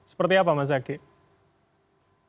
seperti apa mas rakyat